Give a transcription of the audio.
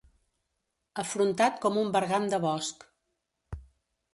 Afrontat com un bergant de bosc.